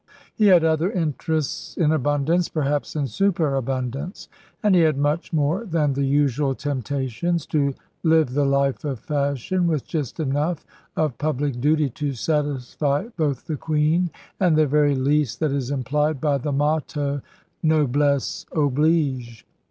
He had other interests in abundance, perhaps in superabundance; and he had much more than the usual temptations to live the life of fashion with just enough of public duty to satisfy both the queen and the very least that is implied by the motto Noblesse oblige.